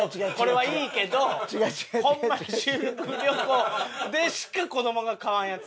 これはいいけどホンマに修学旅行でしか子どもが買わんやつ。